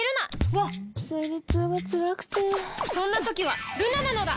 わっ生理痛がつらくてそんな時はルナなのだ！